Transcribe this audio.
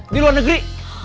di luar negeri